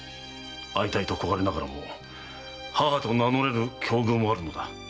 会いたいと焦がれながらも母と名乗れぬ境遇もあるのだ。